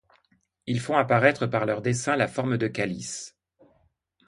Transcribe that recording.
Ils font apparaître par leur dessin la forme de calices.